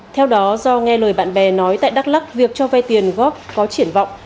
theo đó do nghe lời bạn bè nói tại đắk lắc việc cho vay tiền góp có triển vọng